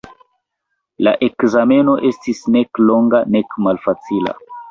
La ekzameno estis nek longa, nek malfacila.